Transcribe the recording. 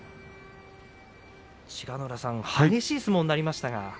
千賀ノ浦さん激しい相撲になりましたが。